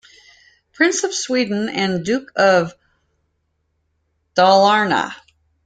"Prince of Sweden" and "Duke of Dalarna".